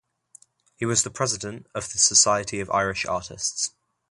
He was the president of the Society of Irish Artists.